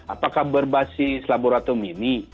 apakah berbasis laboratorium ini